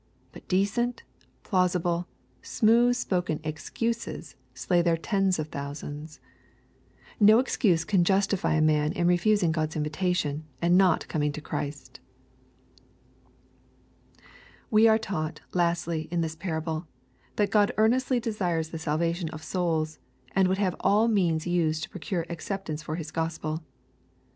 But decent, plausible, smooth spoken excuses slay their tens of thousands. No excuse can justify a man in re fusing God's invitation, and not coming to Christ. We are taught, lastly, in this parable, that God ear^ nestly desires the salvation of souls, and would have all means used to procure acceptance for His Gospel.